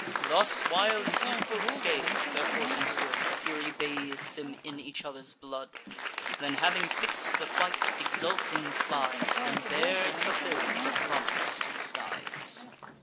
Thus, while in equal scales their fortune stood The Fury bath'd them in each other's blood; Then, having fix'd the fight, exulting flies, And bears fulfill'd her promise to the skies.